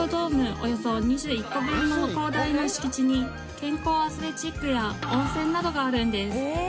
およそ２１個分の広大な敷地に健康アスレチックや温泉などがあるんです